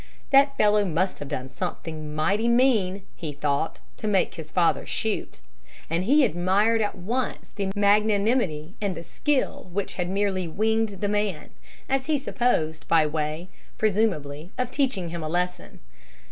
That fellow must have done something mighty mean, he thought, to make his father shoot; and he admired at once the magnanimity and the skill which had merely winged the man, as he supposed, by way, presumably, of teaching him a lesson.